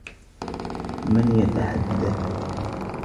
من يتحدّث؟